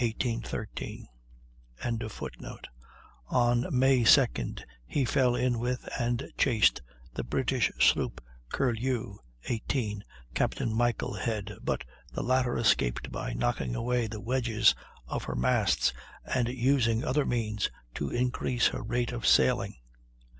] On May 2d he fell in with and chased the British sloop Curlew, 18, Captain Michael Head, but the latter escaped by knocking away the wedges of her masts and using other means to increase her rate of sailing.